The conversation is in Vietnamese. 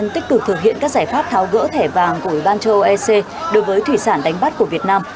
tích cực thực hiện các giải pháp tháo gỡ thẻ vàng của ủy ban châu âu ec đối với thủy sản đánh bắt của việt nam